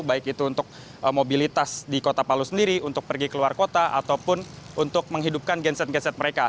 baik itu untuk mobilitas di kota palu sendiri untuk pergi keluar kota ataupun untuk menghidupkan genset genset mereka